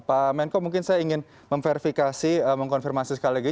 pak menko mungkin saya ingin memverifikasi mengkonfirmasi sekali lagi